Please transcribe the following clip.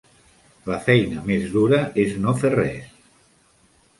La feina més dura és no fer res.